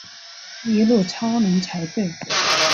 一路超冷才对